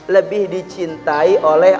lebih dicintai oleh